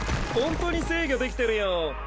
ほんとに制御できてるよ。